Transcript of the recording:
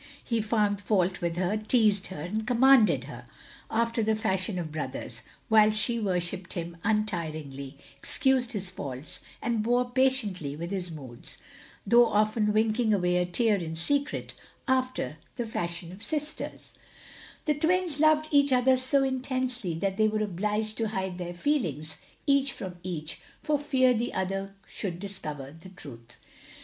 He foimd fault with her, teased her, and com manded her, after the fashion of brothers ; whilst she worshipped him imtiringly, excused his faults, and bore patiently with his moods — though often winking away a tear in secret — after the fashion of sisters. OF GROSVENOR SQUARE 43 The twins loved each other so intensely that they were obliged to hide their feelings, each from each, for fear the other should discover the truth.